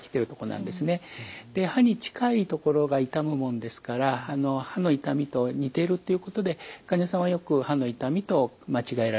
で歯に近い所が痛むもんですから歯の痛みと似ているということで患者さんはよく歯の痛みと間違えられます。